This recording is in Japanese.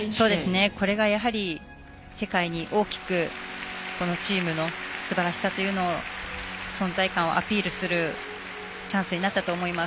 これが世界に大きくチームのすばらしさというのを存在感をアピールするチャンスになったと思います。